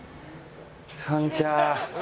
こんにちはー。